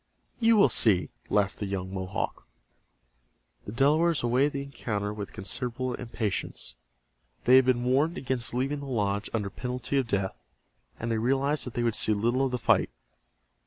"You will see," laughed the young Mohawk. The Delawares awaited the encounter with considerable impatience. They had been warned against leaving the lodge under penalty of death, and they realized that they would see little of the fight.